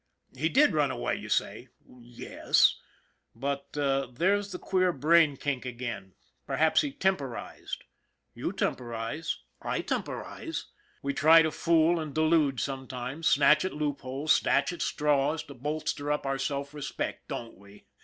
He did run away, you say. Yes, but there's the queer brain kink again. Perhaps he temporized. You temporize. I temporize. We try to fool and delude sometimes, snatch at loopholes, snatch at straws, to bolster up our self respect, don't we?